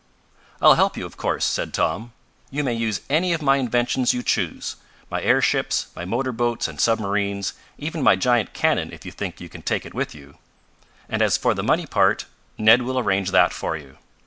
"I'll help you, of course," said Tom. "You may use any of my inventions you choose my airships, my motor boats and submarines, even my giant cannon if you think you can take it with you. And as for the money part, Ned will arrange that for you.